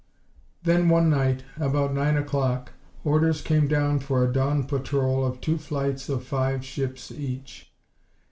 Then one night, about nine o'clock, orders came down for a dawn patrol of two flights of five ships each.